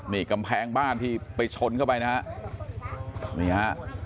นี่กำแพงบ้านที่ไปชนเข้าไปนะฮะนี่ฮะ